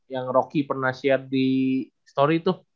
yang rocky pernah share di story tuh